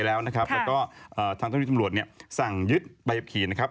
แล้วก็ทางเจ้าที่ตำรวจเนี่ยสั่งยึดใบขับขี่นะครับ